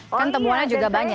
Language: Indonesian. kan temuannya juga banyak